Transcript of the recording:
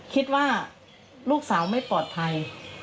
คิดว่าลูกสาวไม่ปลอดภัย